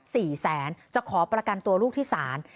สี่แสนจะขอประกันตัวลูกที่ศาล